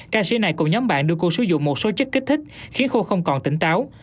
ca sĩ này cùng nhóm bạn đưa cô sử dụng một số chất kích thích khiến cô không còn tỉnh táo